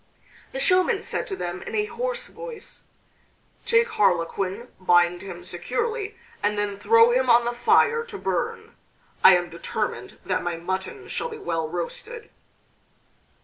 The showman said to them in a hoarse voice: "Take Harlequin, bind him securely, and then throw him on the fire to burn. I am determined that my mutton shall be well roasted."